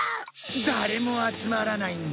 誰も集まらないんだ。